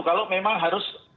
kalau memang harus